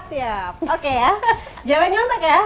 siap oke ya jawabannya otak ya